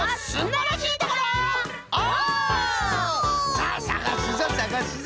さあさがすぞさがすぞ。